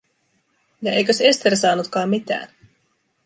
Ja eikös Ester saanutkaan mitään?